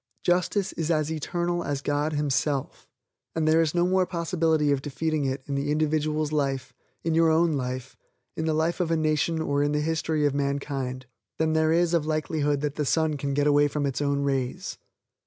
Justice is as eternal as God Himself, and there is no more possibility of defeating it in the individual's life, in your own life, in the life of a nation or in the history of mankind, than there is likelihood that the sun can get away from its own rays.